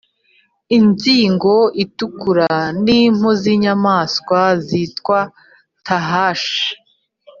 inzigo itukura n impu z inyamaswa zitwa tahashi